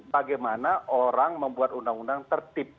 bagaimana orang membuat undang undang tertib